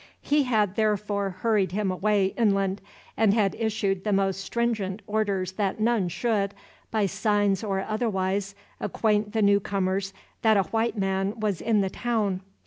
He had therefore hurried him away inland, and had issued the most stringent orders that none should, by signs or otherwise, acquaint the newcomers that a white man was in the town.